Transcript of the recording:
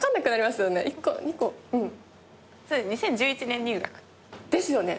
２０１１年入学。ですよね。